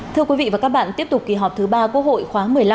thưa quý vị và các bạn tiếp tục kỳ họp thứ ba quốc hội khóa một mươi năm